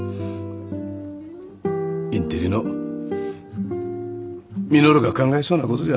インテリの稔が考えそうなことじゃの。